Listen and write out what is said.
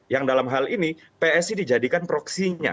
yang dalam hal ini psi dijadikan proksinya